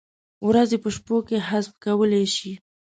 ورځې په شپو کې حذف کولای شي؟